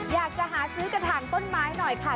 อยากจะหาซื้อกระถางต้นไม้หน่อยค่ะ